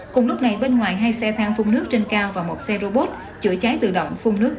cùng lúc này bên ngoài hai xe thang phun nước trên cao và một xe robot chữa cháy tự động phun nước